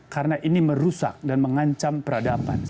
karena ini merusak dan mengancam peradaban